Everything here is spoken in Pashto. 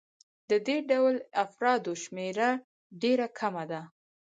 د دې ډول افرادو شمېره ډېره کمه ده